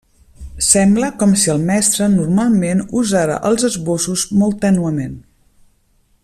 Sembla com si el mestre normalment usara els esbossos molt tènuement.